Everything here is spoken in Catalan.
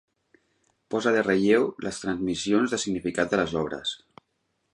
Posa de relleu les transmissions de significat de les obres.